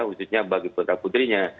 khususnya bagi putra putrinya